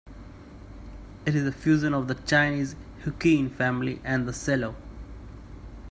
It is a fusion of the Chinese huqin family and the cello.